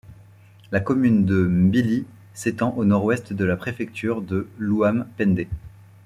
La commune de Mbili s’étend au nord-ouest de la préfecture de l’Ouham-Pendé.